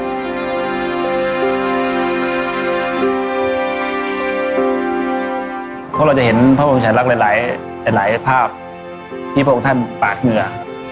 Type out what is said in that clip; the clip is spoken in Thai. เพราะเราจะเห็นพระบรมชายลักษณ์หลายภาพที่พระองค์ท่านปาดเหงื่อ